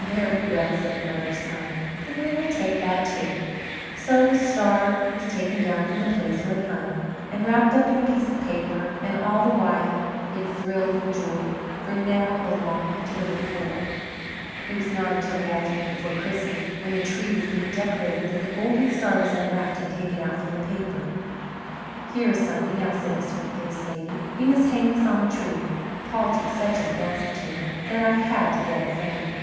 "Very well," said the mother, smiling; "then we will take that, too." So the star was taken down from the place where it hung and wrapped up in a piece of paper, and all the while it thrilled with joy, for now it belonged to the little boy. It was not until the afternoon before Christmas, when the tree was being decorated, that the golden star was unwrapped and taken out from the paper. "Here is something else," said the sweet faced lady. "We must hang this on the tree. Paul took such a fancy to it that I had to get it for him.